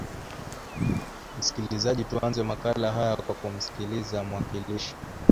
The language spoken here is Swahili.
msikilizaji tuanze makala haya kwa kumsikiliza mwakilishi